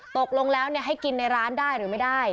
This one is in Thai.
ตกลงแล้วให้กินในร้านได้หรือไม่ได้